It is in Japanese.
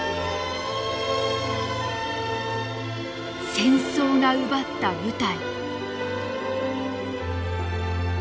戦争が奪った舞台。